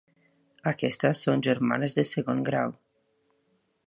Aquestes són germanes de segon grau.